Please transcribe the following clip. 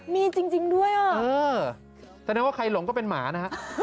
มีจริงด้วยอ่ะแต่นั่นว่าใครหลงก็เป็นหมานะ